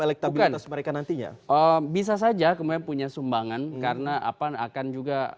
elektronik mereka nantinya oh bisa saja kemampuannya sumbangan karena apa akan juga